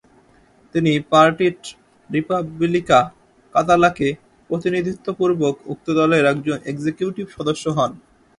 তিনি পার্টিট রিপাবলিকা কাতালাকে প্রতিনিধিত্বপূর্বক উক্ত দলের একজন এক্সিকিউটিভ সদস্য হন।